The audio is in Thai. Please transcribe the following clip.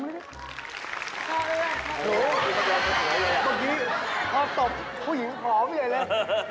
เมื่อกี้เขาตบผู้หญิงขอเยอะเลย